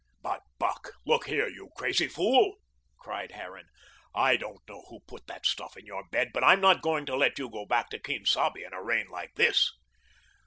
"But, Buck, look here, you crazy fool," cried Harran, "I don't know who put that stuff in your bed, but I'm not going; to let you go back to Quien Sabe in a rain like this."